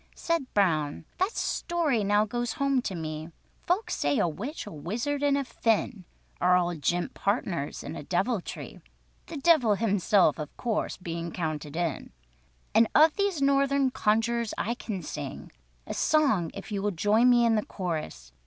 Said Brown, "That story now goes home to me. Folks say a witch, a wizard, and a Finn, Are all jint partners in all deviltry, The Devil himself of course bein' counted in; And of these Northern conjurers I can sing A song if you will join me in the chorus.